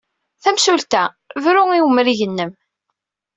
Tamsulta! Bru i umrig-nnem!